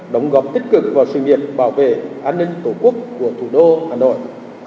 đóng góp tích cực vào sự nghiệp bảo vệ an ninh tổ quốc của thủ đô hà nội